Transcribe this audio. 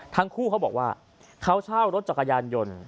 เขาบอกว่าเขาเช่ารถจักรยานยนต์